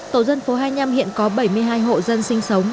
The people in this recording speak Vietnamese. tổ dân phố hai mươi năm hiện có bảy mươi hai hộ dân sinh sống